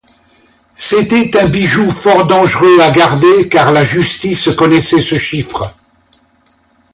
C'était un bijou fort dangereux à garder, car la justice connaissait ce chiffre.